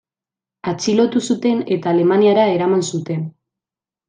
Atxilotu zuten eta Alemaniara eraman zuten.